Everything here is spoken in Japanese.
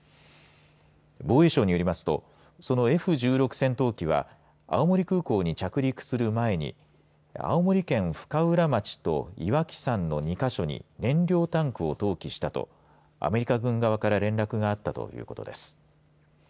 防衛省によりますとそのＦ１６戦闘機は青森空港に着陸する前に青森県深浦町と岩木山の２か所に燃料タンクを投棄したとアメリカ軍側から連絡があったということです。